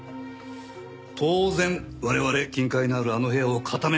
当然我々金塊のあるあの部屋を固めますからねえ。